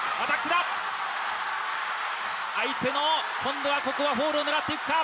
相手の今度はフォールを狙っていくか。